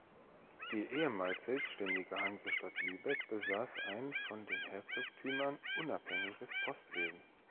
Die ehemals selbständige Hansestadt Lübeck besaß ein von den Herzogtümern unabhängiges Postwesen.